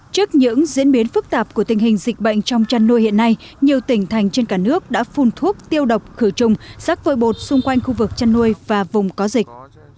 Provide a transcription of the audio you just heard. trước những diễn biến phức tạp của tình hình dịch bệnh trong chăn nuôi hiện nay nhiều tỉnh thành trên cả nước đã phun thuốc tiêu độc khử trùng rác vôi bột xung quanh khu vực chăn nuôi và vùng có dịch